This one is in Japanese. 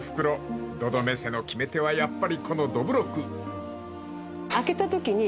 ［どどめせの決め手はやっぱりこのどぶろく］